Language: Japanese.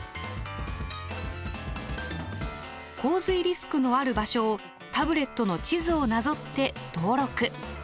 洪水リスクのある場所をタブレットの地図をなぞって登録。